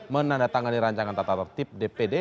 menandatangani rancangan tata tertib dpd